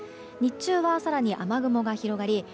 日中は更に雨雲が広がり